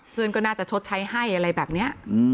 เพื่อนก็น่าจะชดใช้ให้อะไรแบบนี้